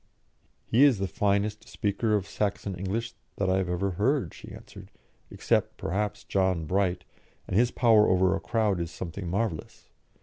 "He is the finest speaker of Saxon English that I have ever heard," she answered, "except, perhaps, John Bright, and his power over a crowd is something marvellous.